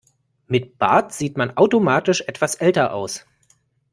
Mit Bart sieht man automatisch etwas älter aus.